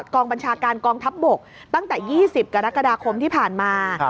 กองบัญชาการกองทัพบกตั้งแต่๒๐กรกฎาคมที่ผ่านมา